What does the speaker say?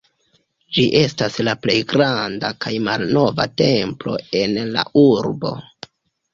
Ĝi estas la plej granda kaj malnova templo en la urbo.